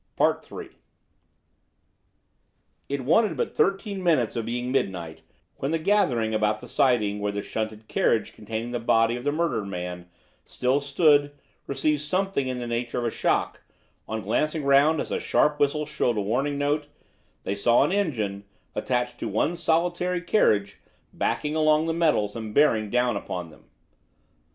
III It wanted but thirteen minutes of being midnight when the gathering about the siding where the shunted carriage containing the body of the murdered man still stood received something in the nature of a shock when, on glancing round as a sharp whistle shrilled a warning note, they saw an engine, attached to one solitary carriage, backing along the metals and bearing down upon them.